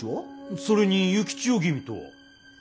それに幸千代君とは？